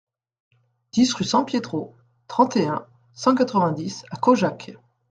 dix rue San Pietro, trente et un, cent quatre-vingt-dix à Caujac